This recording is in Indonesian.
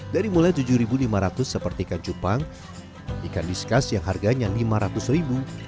dari mulai rp tujuh lima ratus seperti ikan cupang ikan diskas yang harganya rp lima ratus